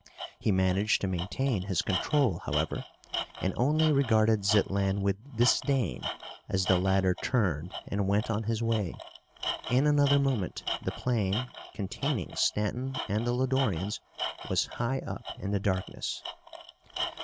He managed to maintain his control, however, and only regarded Zitlan with disdain as the latter turned and went on his way. In another moment the plane, containing Stanton and the Lodorians, was high up in the darkness.